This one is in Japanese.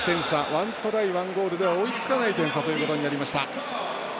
１トライ、１ゴールでは追いつかない点差ということになりました。